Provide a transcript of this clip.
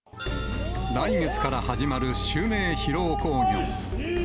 来月から始まる襲名披露興行。